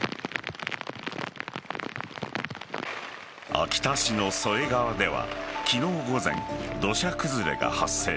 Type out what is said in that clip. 秋田市の添川では、昨日午前土砂崩れが発生。